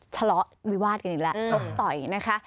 ชะล้อวิวาดกันนี่แหละชกต่อยนะคะ